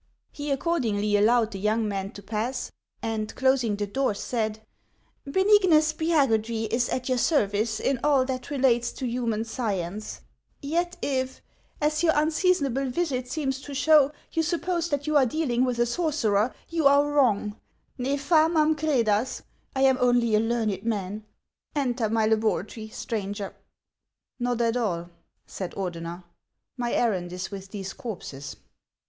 He accordingly allowed the young man to pass, and closing the door, said :" Benignus Spiagudry is at your service in all that relates to human science ; yet if, as your unseasonable visit seems to show, you suppose that you are dealing with a sorcerer, you are wrong; ne f amain crcdas; I am only a learned man. Enter my laboratory, stranger." " Xot at all," said Ordener ;" my errand is with these corpses."